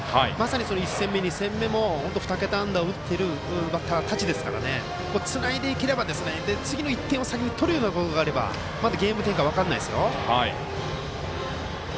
まさに、１戦目、２戦目２桁安打を打っているバッターたちですからつないでいければ、次の１点を取るようなことがあればまだゲーム展開分からないですよ。